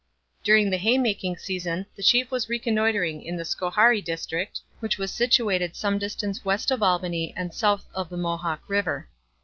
During the hay making season the chief was reconnoitring in the Schoharie district, which was situated some distance west of Albany and south of the Mohawk river.